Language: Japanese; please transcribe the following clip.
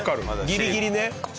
ギリギリね。